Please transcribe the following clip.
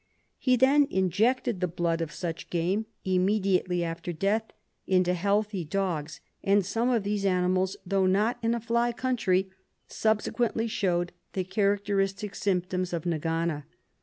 He then injected the blood of such game, immediately after death, into healthy dogs, and some of these animals, though not in a fly country, subsequently showed the characteristic symptoms of nag ana.